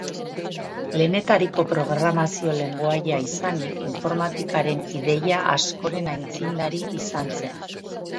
Lehenetariko programazio lengoaia izanik informatikaren ideia askoren aitzindari izan zen.